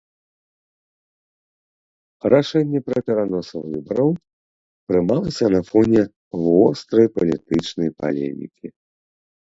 Рашэнне пра перанос выбараў прымалася на фоне вострай палітычнай палемікі.